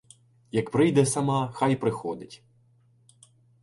Як прийде сама, хай приходить.